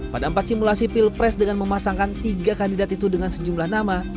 pada empat simulasi pilpres dengan memasangkan tiga kandidat itu dengan sejumlah nama